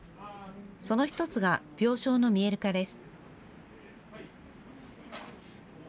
その１つが病床の見える化です。